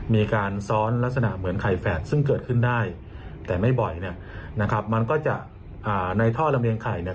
มีการซ้อนลักษณะเหมือนไข่แฝดซึ่งเกิดขึ้นได้แต่ไม่บ่อยเนี่ยนะครับมันก็จะในท่อลำเรียงไข่เนี่ย